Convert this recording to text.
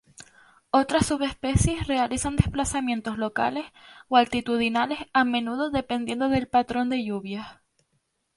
Otras subespecies realizan desplazamientos locales o altitudinales a menudo dependiendo del patrón de lluvias.